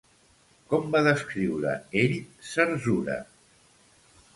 Com va descriure ell Zerzura?